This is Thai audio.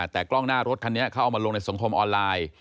แต่กล้องหน้ารถคันนี้เขาเอามาลงในสังคมออนไลน์